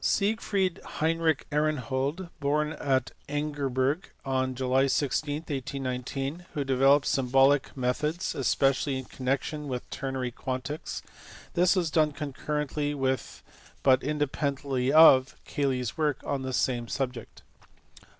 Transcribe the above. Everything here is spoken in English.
Siegfried Heinrich Aronhold, born at Angerburg on July 16, HIGHER ALGEBRA. 479 1819, who developed symbolic methods, especially in connection with ternary quantics ; this was done concurrently with but independently of Cayley s work on the same subject.